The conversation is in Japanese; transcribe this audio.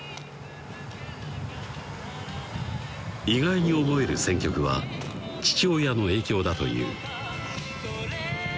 意外に思える選曲は父親の影響だという・